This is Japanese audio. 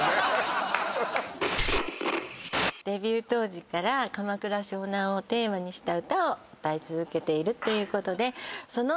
デビュー当時から鎌倉・湘南をテーマにした歌を歌い続けているということではい